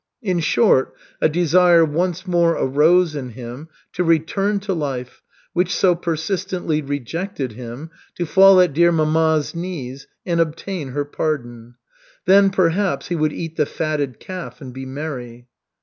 In short, a desire once more arose in him to return to life, which so persistently rejected him, to fall at "dear mamma's" knees, and obtain her pardon. Then perhaps he would eat the fatted calf and be merry.